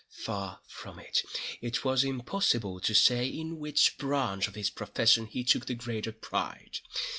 Far from it. It was impossible to say in which branch of his profession he took the greater pride.